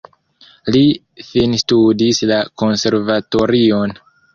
Li finstudis la konservatorion.